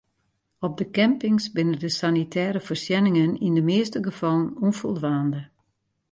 Op de campings binne de sanitêre foarsjenningen yn de measte gefallen ûnfoldwaande.